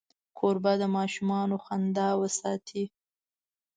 کوربه د ماشومانو خندا وساتي.